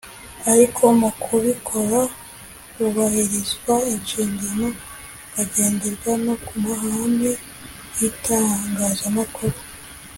ariko mu kubikora hubahirizwa inshingano hakagenderwa no ku mahame y’itangazamakuru